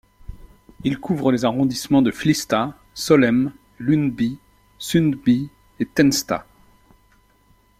Il couvre les arrondissements de Flysta, Solhem, Lundby, Sundby et Tensta.